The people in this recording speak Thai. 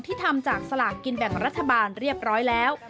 ทำจากสลากกินแบ่งรัฐบาลเรียบร้อยแล้ว